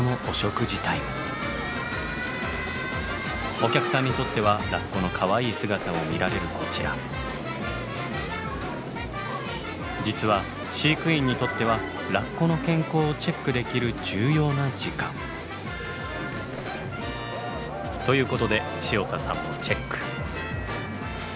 お客さんにとってはラッコのかわいい姿を見られるこちら実は飼育員にとってはラッコの健康をチェックできる重要な時間。ということで潮田さんもチェック。